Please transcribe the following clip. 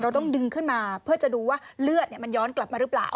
ต้องดึงขึ้นมาเพื่อจะดูว่าเลือดมันย้อนกลับมาหรือเปล่า